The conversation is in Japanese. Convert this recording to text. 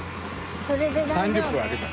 それで大丈夫？